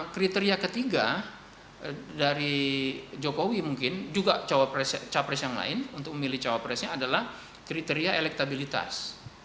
kriteria ketiga dari jokowi mungkin juga capres yang lain untuk memilih cawapresnya adalah kriteria elektabilitas